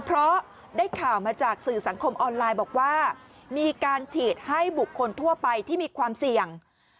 เพราะได้ข่าวมาจากสื่อสังคมออนไลน์บอกว่ามีการฉีดให้บุคคลทั่วไปที่มีความเสี่ยง